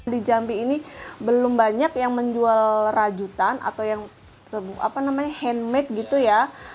di jambi ini belum banyak yang menjual rajutan atau yang handmade gitu ya